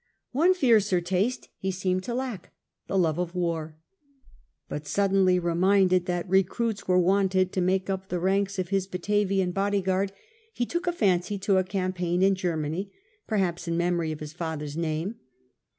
One fiercer taste he seemed to lack — the love of war. But, suddenly reminded that recruits were wanted to make up the ranks of his Batavian body guard, he took a fancy to a campaign in Germany, per paign in haps in memory of his father^s name.